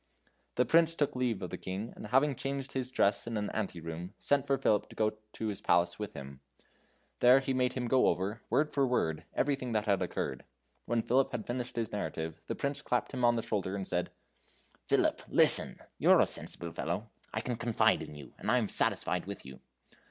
The Prince took leave of the King, and having changed his dress in an ante room, sent for Philip to go to his palace with him; there he made him go over word for word everything that had occurred. When Philip had finished his narrative, the Prince clapped him on the shoulder and said: "Philip, listen! You're a sensible fellow. I can confide in you, and I am satisfied with you.